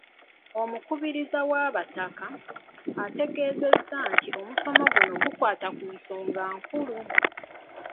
Omukubiriza w’abataka, ategeezezza nti omusomo guno gukwata ku nsonga nkulu.